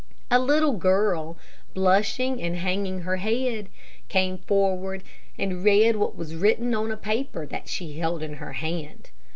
A little girl, blushing and hanging her head, came forward, and read what was written on a paper that she held in her hand.